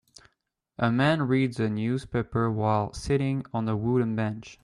A man reads a newspaper while sitting on a wooden bench.